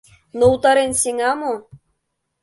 Но утарен сеҥа мо?